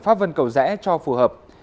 pháp vân cầu rẽ cho phù hợp